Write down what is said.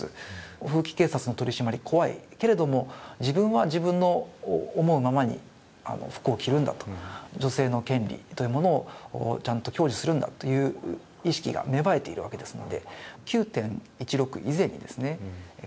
風紀警察の取り締まり、怖い、だけども自分は自分の思うままに服を着るんだという、女性の権利というものをちゃんと享受するんだという意識が芽生えているわけですので。